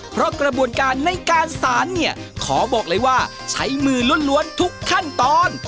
เพราะกระบวนการในการสารเนี่ยขอบอกเลยว่าใช้มือล้วนทุกขั้นตอน